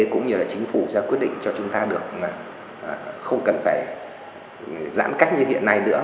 cũng như chính phủ sẽ quyết định cho chúng ta được không cần phải giãn cách như hiện nay nữa